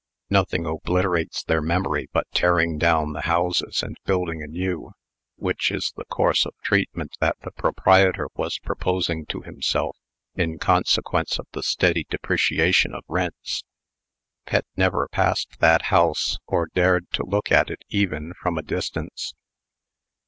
Nothing obliterates their memory but tearing down the houses, and building anew which is the course of treatment that the proprietor was proposing to himself, in consequence of the steady depreciation of rents. Pet never passed that house, or dared to look at it even from a distance.